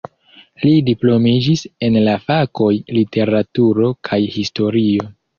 Li diplomiĝis en la fakoj literaturo kaj historio.